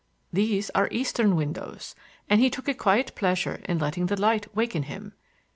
These are eastern windows, and he took a quiet pleasure in letting the light waken him.